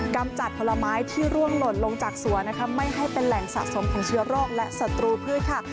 กำจัดผลไม้ที่ร่วงหล่นลงจากสวนนะคะไม่ให้เป็นแหล่งสะสมของเชื้อโรคและศัตรูพืชค่ะ